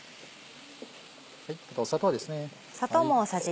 砂糖ですね。